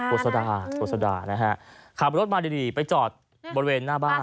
ขวดโซดาขวดโซดานะฮะขาบรถมาดีไปจอดบริเวณหน้าบ้าน